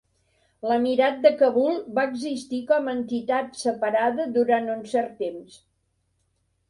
L'emirat de Kabul va existir com a entitat separada durant un cert temps.